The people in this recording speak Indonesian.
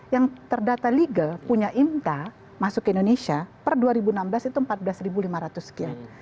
yang terdata legal punya imta masuk ke indonesia per dua ribu enam belas itu empat belas lima ratus sekian